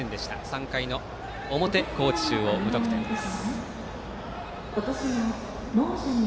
３回の表、高知中央、無得点です。